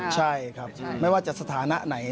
ใช่ครับไม่ว่าจะสถานะไหน